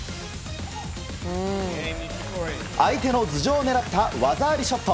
相手の頭上を狙った技ありショット。